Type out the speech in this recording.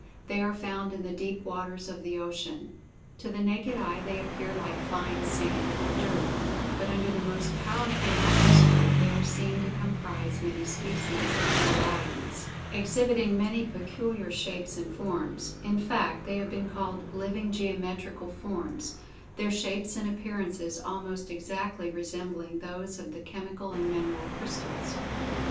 They are found[Pg 46] in the deep waters of the ocean. To the naked eye they appear like fine sand or "dirt," but under the most powerful microscope, they are seen to comprise many species and varieties, exhibiting many peculiar shapes and forms—in fact, they have been called "living geometrical forms," their shapes and appearances almost exactly resembling those of the chemical and mineral crystals.